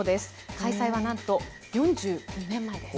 開催はなんと４２年前です。